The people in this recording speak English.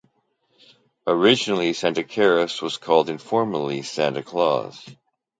Originally "Sanctacaris" was called informally 'Santa Claws'.